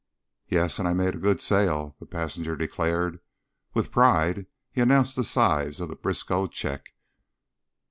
"Yes. And I made a good sale," the passenger declared. With pride he announced the size of the Briskow check.